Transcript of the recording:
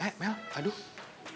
eh eh eh mel aduh